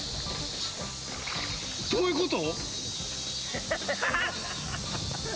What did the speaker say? どういうこと？